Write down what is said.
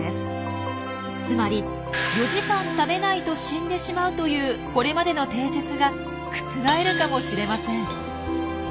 つまり「４時間食べないと死んでしまう」というこれまでの定説が覆るかもしれません。